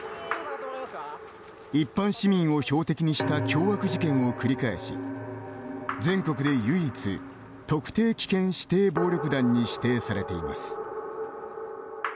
一般市民を標的にした凶悪事件を繰り返し全国で唯一特定危険指定暴力団に指定されています。